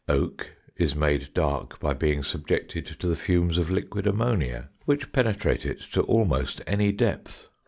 Oak is made dark by being subjected to the fumes of liquid ammonia, which penetrate it to almost any depth.